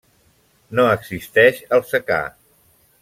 No existeix el secà.